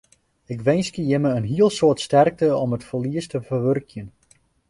Ik winskje jimme in hiel soad sterkte om it ferlies te ferwurkjen.